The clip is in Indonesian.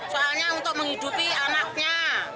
soalnya untuk menghidupi anaknya